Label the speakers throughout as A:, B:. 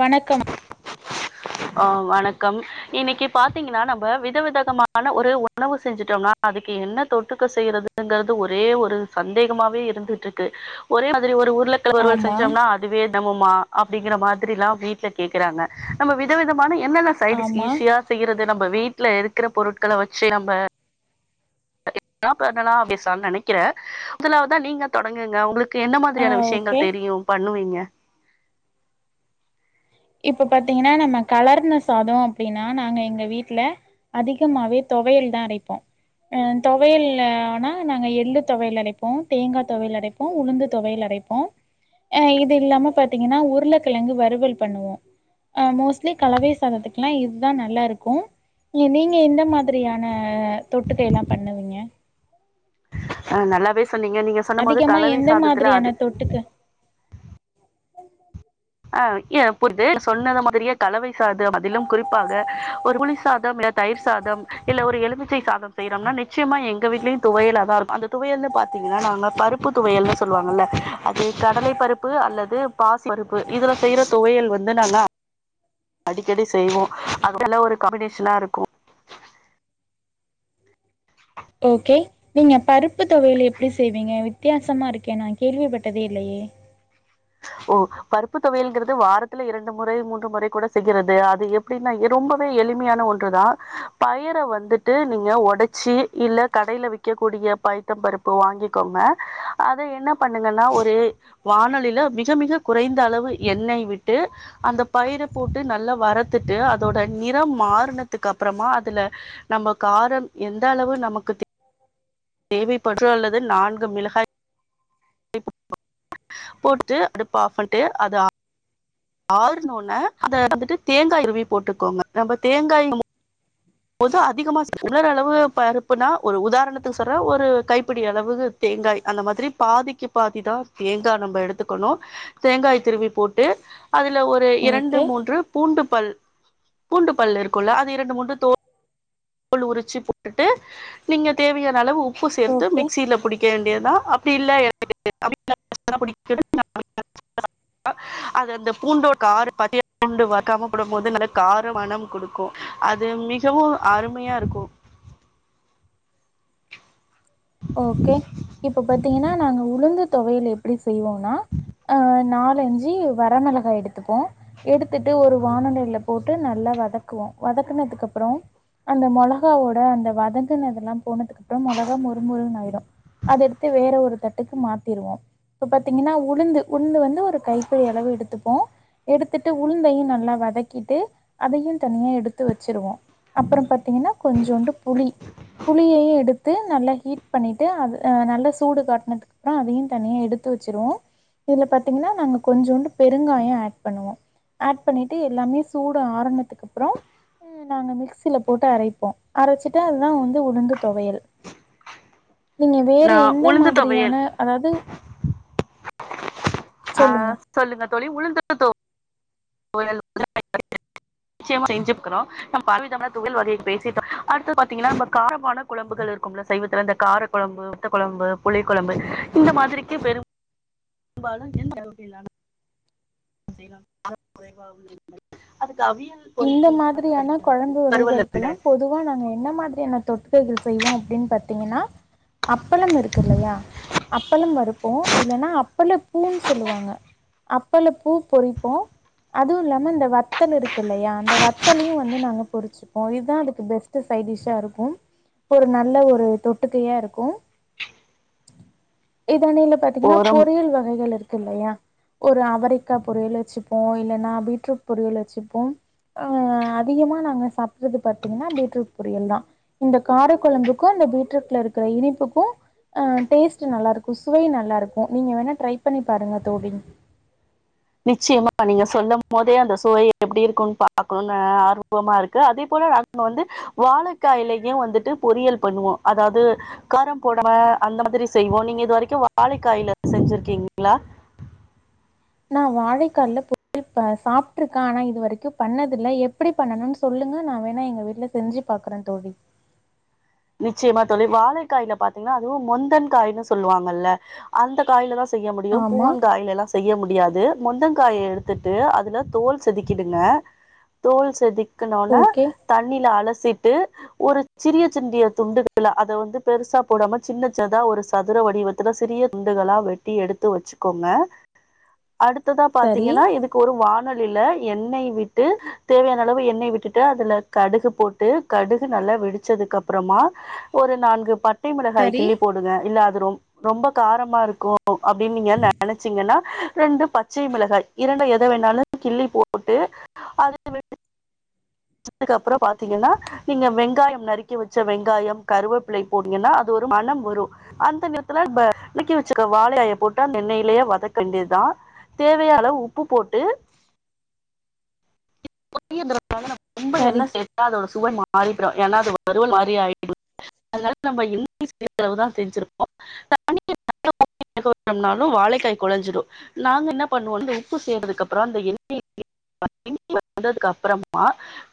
A: வணக்கோ
B: ஆ வணக்கம் இன்னக்கி பாத்திங்ன்னா நம்ப விதவிதகமான ஒரு உணவு செஞ்சிட்டோம்னா அதுக் என்ன தொட்டுக்க செய்றது ங்க்றது ஒரே ஒரு சந்தேகமாவே இருந்துட்ருக்கு ஒரே மாதிரி ஒரு உர்ல முட்ட வறுவல்
A: ஆமா
B: செஞ்சொம்னா அதுவெ நம்மம்மா அப்டிங்கற மாதிரிலா வீட்டுல கேக்குறாங்க நம்ம விதவிதமான என்னென்ன சைடிஷ்
A: ஆமா
B: ஈஷியா செய்யறது நம்ம வீட்ல இருக்குற பொருட்கள வெச்சு நம்ம லாம் பண்ணலா அப்டிசொன்ன நெனைக்கிறே மொதலாவதா நீங்க தொடங்குங்க உங்களுக் க்கு என்ன
A: ஆ
B: மாதிரியான
A: ஓகே
B: விஷயங்கள் தெரியு பண்ணுவீங்க
A: இப்ப பாத்திங்க்னா நம்ம கலர்ந சாதோ அப்டினா நாங்க எங்க வீட்ல அதிகமாவே தொவையல் தா அரைப்போ அ தொவயல் ஆனா நாங்க எள்ளு தொவையல் அரைப்போ தேங்கா தொவயல் அடைப் ப்போ உளுந்து தொவயல் அரைப்போ இது இல்லாம பாத்திங்கன்னா உருளக்கிழங்கு வறுவல் பண்ணுவொ அ மோஸ்ட்லி கலவை சாதத்துக்லா இதா நல்லாருக்கு நீங்க எந்த மாதிரியான தொட்டுக்க எல்லா பண்ணுவீங்க
B: ஆ நல்லாவே சொன்னீங்க நீங்க சொன்னும் போது
A: அதிகமா
B: கலவை
A: எந்த
B: சாதத்துல
A: மாதிரியான
B: அது
A: தொட்டுக்க
B: ஆ கியா புரிது சொன்னது மாதிரியே கலவை சாதம் அதிலும் குறிப்பாக ஒரு புளி சாதம் இல்ல தயிர் சாதம் இல்ல ஒரு எலுமிச்சை சாதம் செய்யறோம்னா நிச்சயமா எங்க வீட்லையு துவையல் ஆதா இருக்கு அது துவையல்னு பாத்தீங்கன்னா நாங்க பருப்பு துவையல் சொல்லுவாங்கல்ல அது கடலை பருப்பு அல்லது பாஸ்ஸி பருப்பு இதுல செய்யிற துவயல் வந்து நல்லா அடிக்கடி செய்வோ அது நல்ல ஒரு காம்பினேஷனா இருக்கு
A: ஓக்கே நீங்க பருப்பு தொவையல் எப்டி செய்வீங்க வித்தியாசமா இருக்கே நா கேள்விப்பட்டதே இல்லையே
B: ஓ பருப்பு தொவையல்ங்கிறது வாரத்துல இரண்டு முறை மூன்று முறை கூட செய்றது அது எப்படின்னா ரொம்பவே எளிமையான ஒன்று ஒன்று தா பயிர வந்துட்டு நீங்க ஒடைச்சி இல்ல கடைல விக்கக்கூடிய பயிற பருப்பு வாங்கிக்கோங்க அத என்ன பண்ணுங்கன்னா ஒரு வானொலியில அப் மிக மிக குறைந்த அளவு எண்ணெய் விட்டு அந்த பயிரை போட்டு நல்லா வரத்துட்டு அதோட நிறம் மாறினதுக்கு அப்புறமா அதுல நம்ம காரம் எந்த அளவு நமக்கு தேவ தேவைப்படுர அல்லது நான்கு மிளகாய் போட்டு அடுப்ப ஆஃப் பன்ட்டு அத ஆஃப் ஆருனோன அத வந்துட்டு தேங்காய் துருவி போட்டுக்கோங்க நம்ப தேங்காய் போது அதிகமா உணர் அளவு பருப்புனா ஒரு உதாரணத்துக்கு சொல்றே ஒரு கைப்பிடி அளவு தேங்காய் அந்த மாதிரி பாதிக்கு பாதி தா தேங்கா நம்ப எடுத்துக்கணு தேங்காய் திருவி போட்டு அதுல ஒரு இரண்டு
A: ஓகே
B: மூன்று பூண்டு பல் பூண்டு பல் இருக்குல்ல அது இரண்டு மூன்று தோல் தோல் உரிச்சுப் போட்டுட்டு நீங்க தேவையான அளவு உப்பு சேர்த்து
A: ஓகே
B: மிக்சியில புடி வேண்டியதுதா அப்டி இல்ல [inaudible] அது அந்த பூண்டோட கார பத்திய பூண்டு வருக்காம போடும்போது நல்ல கார மணம் குடுக்கும் அது மிகவு அருமையா இருக்கு
A: ஓகே இப்ப பாத்தீங்கென்னா நாங்க உளுந்து தொவையல் எப் எப்புடி செய்வோன்னா அ நாலஞ்சு வரமெளகா எடுத்துப்போ எடுத்துட்டு ஒரு வாணலையில போட்டு நல்லா வதக்குவோ வதக்குனதுக்கு அப்றோ அந்த மொளகாவோட அந்த வதங்குனது எல்லாம் போனதுக்கப்றோ மொளகா மொரு மொருனு ஆயிடு அத எடுத்து வேற ஒரு தட் தட்டுக்கு மாத்திருவோ இப்ப பாத்தீங்கன்னா உளுந்து உளுந்து வந்து ஒரு கைப்பிடி அளவு எடுத்துப்போ எடுத்துட்டு உளுந்தையு நல்லா வதக்கிட்டு அதையு தனியா எடுத்து வச்சுருவோ அப்பறம் பாத்தீங்கென்னா கொஞ்சோண்டு புளி புளியையு எடுத்து நல்லா ஹீட் பண்ணிட்டு அது நல்லா சூடு காட்டினதுக்கு அப்றோ அதையு தனியா எடுத்து வச்சுருவோ இதுல பாத்தீங்கன்னா நாங்க கொஞ்சோண்டு பெருங்காயோ ஆட் பண்ணுவோ ஆட் பண்ணிட்டு எல்லாமே சூடு ஆருனத்துக்கு அப்றோ நாங்க மிக்சியில போட்டு அரைப்போ அரச்சுட்டு அதுதா வந்து உளுந்து தொவையல் நீங்க வேற
B: நா
A: எந்த
B: உளுந்து தொவையல்
A: மாதிரியான அதாவது
B: ஆ
A: சொல்லுங்கள்
B: சொல்லுங்க தோழி உளுந்து தொவையல் [inaudible] நிச்சயமா செஞ்சு பாக்குறோ நம்ம பலவிதமான தொவையல் வகைகள் பேசிட்டோ அடுத்து பாத்தீங்கெலா நம்ம காரமான குழம்புகள் இருக்கும்ல சைவத்துல இந்த கார குழம்பு வத்த குழம்பு புளி குழம்பு இந்த மாதிரிக்கு பெரும் ம்பாலு எந்த லெவலுக்கு இல்லாம [inaudible] அதுக்கு அவியல்
A: இந்த
B: பொரியல்
A: மாதிரியான
B: தனியா இருக்கும்
A: கொழம்பு
B: வறுவல விட
A: வகைகளுக்கெல்லா பொது பொதுவா நாங்க என்ன மாதிரியான தொட்டுகைகள் செய்வோ அப்டின்னு பாத்தீங்கென்னா அப்பளம் இருக்கு இல்லையா அப்பளம் வறுப்போ இல்லன்னா அப்பள பூன் சொல்லுவாங்க அப் அப்பளப் பூ பொறிப்போ அதுவு இல்லாம இந்த வத்தல் இருக் இல்லையா அந்த வத்தலயு வந்து நாங்க பொரிச்சுப்போ இதா அதுக்கு பெஸ்ட்டு சைடிஷ்ஷா இருக்கும் ஒரு நல்ல ஒரு தொட்டுக்கையா இருக்கு இத நீலப் பாத்தீங்கன்னா
B: ஓரம்
A: பொறியல் வகைகள் இருக்கு இல்லயா ஒரு அவரைக்கா பொரியல் வச்சுப்போ இல்லன்னா பீட்ரூட் பொரியல் வச்சுப்போம் ஆ அ அதிகமா நாங்க சாப்ட்றது பாத்தீங்கென்னா பீட்ரூட் பொரியல் தா இந்த கார கொழம்புக்கு இந்த பீட்ரூட்ல இருக்குற இனிப்புக்கு ஆ டேஸ்ட் நல்லா இருக்கு சுவை நல்லா இருக்கு நீங்க வேணா ட்ரை பண்ணி பாருங்க தோழி
B: நிச்சயமா நீங்க சொல்லும் போதே அந்த சுவை எப்டி இருக்குன்னு பாக்கணுன்னு ஆர்வமா இருக்கு அதே போல நான் நா வந்து வாழைக்காய்லயு வந்துட்டு பொறியல் பண்ணுவோ அதாவது காரம் போடம அந்த மாதிரி செய்வோ நீங்க இது வரைக்கு வாழைக்காய்ல செஞ்சிருக்கீங்களா
A: நா வாழைக்காய்ல பொரி சாப்ட்டுருக்க ஆனா இது வரைக்கும் பண்ணதில்ல எப்டி பண்ணணுன் சொல்லுங்க நா வேணா எங்க வீட்ல செஞ்சு பாக்குறன் தோழி
B: நிச்சயமா தோழி வாழைக்காய்ல பாத்தீங்கன்னா அதுவு மொந்தன் காய்ன்னு சொல்லுவாங்கல்ல அந்த காயில தா செய்ய முடியும்
A: ஆமா
B: பூவன் காயில எல்லா செய் செய்ய முடியாது மொந்தங்காய எடுத்துட்டு அதுல தோல் செதுக்கிடுங்க தோல் செதுக்கணுன்னா
A: ஓகே
B: தண்ணில அலசிட்டு ஒரு சிறிய ண்டிய துண்டுகள் அத வந்து பெருசா போடாம சின்னச் சின்னதா ஒரு சதுர வடிவத்தில் சிறிய துண்டுகளா வெட் எடுத்து வச்சுகோங்க அடுத்ததா
A: சரி
B: பாத்தீங்கன்னா இதுக்கு ஒரு வானலியில எண்ணெய் விட்டு தேவையான அளவு எண்ணெய் விட்டுட்டு அதுல கடுகு போட் ட்டு கடுகு நல்லா வெடிச்சதுக்கு அப் றமா ஒரு நான்கு பட்டை மிளகாய்
A: சரி
B: கிள்ளி போடுங்க இல்ல அது ரொ ரொம்ப காரமா இருக்கும் அப்டின் நீங்க நெனச்சீங்கன்னா ரெண்டு பச்சை மிளகாய் இரண்டுல எத வேணாலும் கிள்ளி போட்டு அது வெடு ச்சதுக்கப்றோ பாத்தீங்கன்னா நீங்க வெங்காயம் நரு வச்ச வெங்காயம் கருவேப்பிலை போட்டீங்கன்னா அது ஒரு மணம் வரும் அந்த நேரத்துல இப்ப நருக்கி வச்சுருக்க வாழைகாய போட்டு அந்த எண்ணெயிலேயே வதக்க வேண்டியதா தேவையான அளவு உப்பு போட்டு பொரியல்ன்றதுனால நம்ம ரொம்ப
A: சரி,
B: எண்ண சேத்தா அதோட சுவை மாறிடும் ஏன்னா அது வருவல் மாரி ஆயிடும் அதனால நம்ம [inaudible] அளவு தான் செஞ்சிருப்போ [inaudible] [inaudible] ம்னாலும் வாழைக்காய் கொழஞ்சிடும் நாங்க என்ன பண்ணுவோம்ன உப்பு செந்ததுக்கு அப்புறம் அந்த எண்ணெய [inaudible] வெந்ததுக்கு அப்பறமா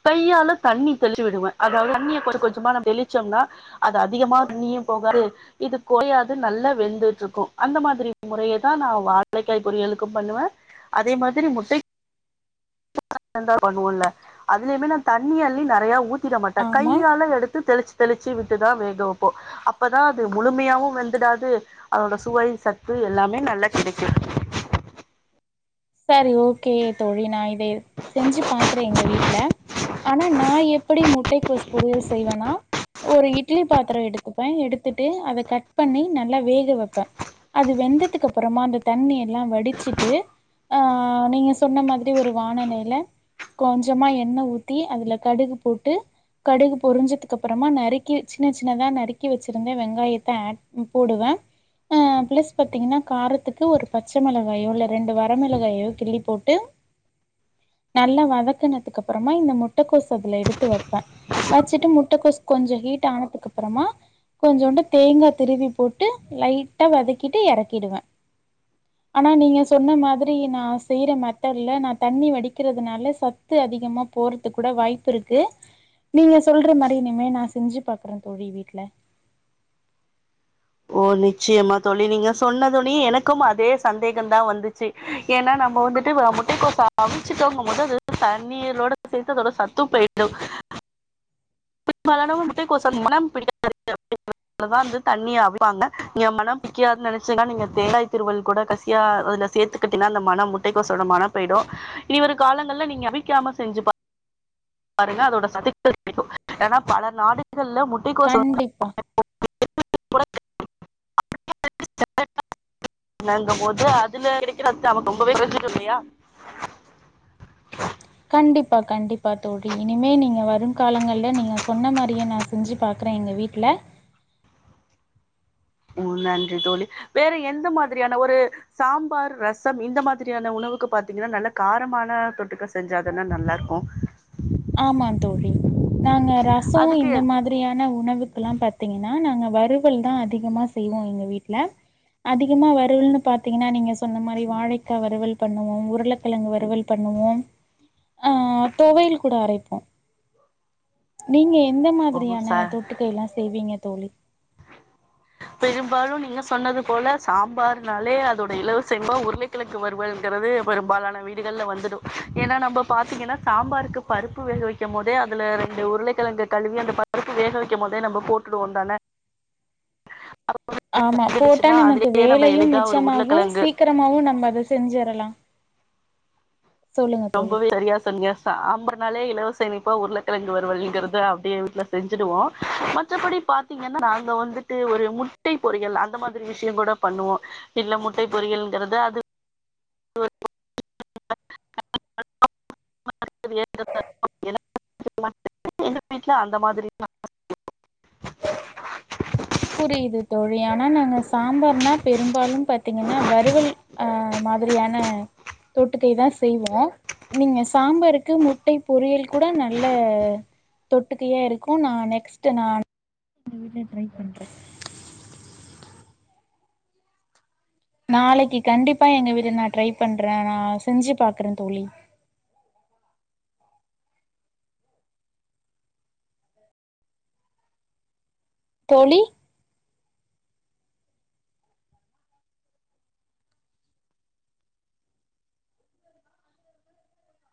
B: கையால தண்ணி தெளிச்சு விடுவே அதாவது தண்ணிய கொஞ் கொஞ்சமா நம்ம தெளிச்சோம்னா அது அதிகமா நீயும் போகாது இது குலையாது நல்லா வெந்துட்டு இருக்கும் அந்த மாதிரி முறைய தா நா வாழைக்காய் பொரியலுக்கும் பண்ணுவே அதே மாதிரி முட்டை பண்ணுவல அதுலயுமே நா தண்ணி அள்ளி நிறையா ஊத்திட மாட்டே
A: ஆமா
B: கையால எடுத்து தெளிச்ச தெளிச்சு விட்டுதா வேக வைப்போ அப்பதா அது முழுமையாவு வெந்துடாது அதோட சுவை சத்து எல்லாமே நல்லா கிடைக்கு
A: சரி ஓகே தோழி நா இத செஞ்சு பாக்கறே எங்க வீட்ல ஆனா நா எப்டி முட்டை கொஸ் பொரியல் செய்வேனா ஒரு இட்லி பாத்ரோ எடுத்துப்பே எடுத்துட்டு அத கட் பண்ணி நல்லா வேக வைப்பே அது வெந்ததுக்கு அப்பறமா அந்த தண்ணியெல்லா வடிச்சிட்டு ஆ நீங்க சொன்ன மாதிரி ஒரு வானலையில கொஞ்சமா எண்ண ஊத்தி அதுல கடுகு போட்டு கடுகு பொரிஞ்சதுக்கு அப்பறமா நறுக்கி சின்ன சின்னதா நறுக்கி வச்சிருந்த வெங்காயத்த ஆட் போடுவே ஆ பிளஸ் பாத்தீங்கன்னா காரத்துக்கு ஒரு பச்ச மிளகாயோ இல்ல ரெண்டு வர ரமிளகாயோ கிள்ளி போட்டு நல்லா வதக்குனதுக்கு அப்புறமா இந்த முட்டக்கோச அதுல எடுத்து வைப்பே வச்சுட்டு முட்டகோஸ் கொஞ்சோ ஹீட் ஆனதுக்கு அப்புறமா கொஞ்சோண்டு தேங்கா திருவி போட்டு லைட்ட வதக்கிட்டு எறக்கிடுவே ஆனா நீங்க சொன்ன மாதிரி நா செய்யற மெத்தடுல்ல நா தண்ணி வடிக்கிறதுனால சத்து அதிகமா போறது கூட வாய்ப்பு ப்பு இருக்கு நீங்க சொல்ற மாரி இனிமே நா செஞ்சு பாக்குறே தோழி வீட்டுல
B: ஓ நிச்சயமா தோழி நீங்க சொன்னதுனே எனக்கும் அதே சந்தேகம் தா வந்துச்சி ஏனா நம்ப வந்துட்டு வ முட்டைக்கோஸ அவிச்சிட்டோங்கும்போது அது தண்ணீரோட சேத்து அதோட சத்து போய்டு
A: [inaudible]
B: பெரும்பாலானவும் முட்டைக்கோஸோட மணம் பிடிக்காது என்பதால் வந்து தண்ணிய அவி ப்பாங்க நீங்க மணம் பிடிக்காதுன் நெனைச்சீங்ன்னா நீங்க தேங்காய் திருவல் கூட கசியா அதுல சேத்து ட்டீன்னா அந்த மணம் முட்டைக்கோசோட மணோ போய்டு இனி வரு காலங்கள்ல நீங்க அவிக்காம செஞ்சு பா பாருங்க அதோட சத்துக்கள் கிடைக்கு னா பல நாடுகள்ல முட்
A: கண்டிப்பா
B: கூட பண்ணங்கம்போது அதுல கிடைக்கிற சத்து அளவு ரொம்பவே கொறஞ்சிடு இல்லையா
A: கண்டிப்பா கண்டிப்பா தோழி இனிமே நீங்க வரு காலங்கள்ல நீங்க சொன்ன மாரியே நா செஞ்சு பாக்கறே எங்க வீட்ல
B: ம் நன்றி தோழி வேற எந்த மாதிரியான ஒரு சாம்பார், ரசம் இந்த மாதிரியான உணவுக்கு பாத்தீங்கன்னா நல்ல காரமான தொட்டுக்க செஞ்சா தான நல்லார்க்கு
A: ஆமாம் தோழி நாங்க ரசமு
B: அதுக்கு
A: இந்த மாதி ரியான உணவுக்குல்லா பாத்தீங்கன்னா நாங்க வறுவல் தா அதிகமா செய்வோ எங்க வீட்ல அதிகமா வறுவல்னு பாத்தீங்கன்னா நீங்க சொன்ன மாரி வாழைக்கா வறுவல் பண்ணுவோம் உருள க்கிழங்கு வறுவல் பண்ணுவோம் அ தொவையல் கூட அரைப்போ நீங்க எந்த
B: ஓ
A: மாதிரியான
B: ச
A: தொட்டுக்க எல்லா செய்வீங்க தோழி
B: பெரும்பாலு நீங்க சொன்னதுப்போல சாம்பார்னாலே அதோட இலவச இணைப்பா உருளைக்கிழ ங்கு வறுவல்ங்கிறது பெரும்பாலான வீடுகள்ல வந்துடு ஏனா நம்ப பாத்தீங்கன்னா சாம்பாருக்கு பருப்பு வேக வைக்கும் போதே அதுல ரெண்டு உருளைக்கெழங்க கழுவி அந்த பருப்பு வேக வைக்கும் போதே நம்ம போட்டுடுவோ தான [inaudible]
A: ஆமா போட்டா
B: இருந்துச்சுன்னா
A: நமக்கு
B: அதுலயே நம்ம
A: வேலையு
B: எளிதா ஒரு
A: மிச்சமாகு
B: உருளைக்கிழங்கு
A: சீக்கிரமாவு நம்ம அத செஞ்சிரலா தோழி.
B: ரொம்பவே சரியா சொன்னிங்க சாம்பார்னாலே இலவச இணைப்பா உருளக்கெழங்கு வருவல்ங்கிறது அப்டியே வீட்ல செஞ்சிடுவோ மற்றபடி பாத் தீங்கன்னா நாங்க வந்துட்டு ஒரு முட்டை பொரியல் அந்த மாதிரி விஷ்யங்கூட பண்ணுவோ இல்ல முட்டை பொரியல்ங்கறது அது [inaudible] எங்க வீட்ல அந்த மாதிரி தா
A: புரியிது தோழி ஆனா நாங்க சாம்பார்னா பெரும்பாலும் பாத்தீங்கன்னா வறுவல் அ மாதிரியான தொட்டுக்கை தா செய்வோ நீங்க சாம்பாருக்கு முட்டை பொரியல் கூட நல்ல தொட்டுக்கையா இருக்கு நா நெக்ஸ்ட்டு நான் எங்க வீட்ல ட்ரை பண்றே நாளைக்கு கண்டிப்பா எங்க வீட்ல் நா ட்ரை பண்றே நா செஞ்சு பாக்கறே தோழி தோழி